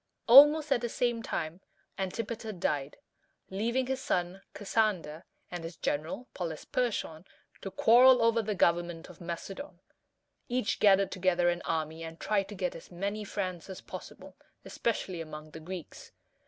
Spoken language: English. Almost at the same time, Antipater died, leaving his son, Cas san´der, and his general, Pol ys per´chon, to quarrel over the government of Macedon. Each gathered together an army, and tried to get as many friends as possible, especially among the Greeks.